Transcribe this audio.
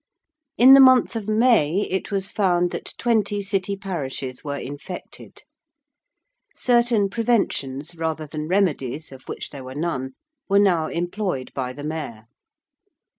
In the month of May it was found that twenty City parishes were infected. Certain preventions, rather than remedies, of which there were none, were now employed by the Mayor.